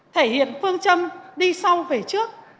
thể hiện phương châm đi sau về trước